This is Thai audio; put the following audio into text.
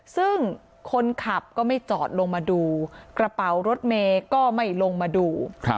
ซึ่งคนขับก็ไม่จอดลงมาดูกระเป๋ารถเมย์ก็ไม่ลงมาดู